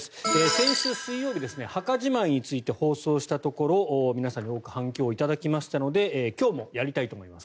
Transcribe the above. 先週水曜日墓じまいについて放送したところ皆さんに多く反響を頂きましたので今日もやりたいと思います。